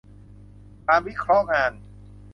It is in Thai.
การวิเคราะห์งาน